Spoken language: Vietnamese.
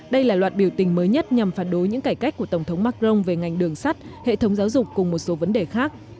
đây là loạt biểu tình mới nhất nhằm phản đối những cải cách của tổng thống macron về ngành đường sắt hệ thống giáo dục cùng một số vấn đề khác